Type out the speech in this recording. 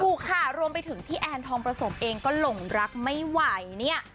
ถูกค่ะรวมไปถึงพี่แอนทองประสมเองก็หลงรักไม่ไหวเนี่ย